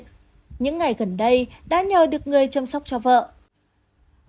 những ngày gần đây đã nhờ được người chăm sóc cho vợ